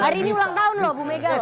hari ini ulang tahun loh bumegawati